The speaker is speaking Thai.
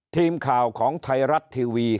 ทีมข่าวของไทยรัฐทีวี